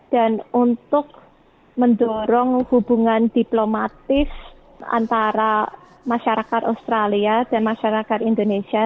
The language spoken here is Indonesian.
dan untuk mendorong hubungan diplomatis antara masyarakat australia dan masyarakat indonesia